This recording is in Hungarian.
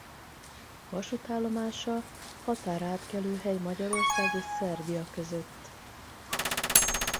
Vasútállomása határátkelőhely Magyarország és Szerbia között.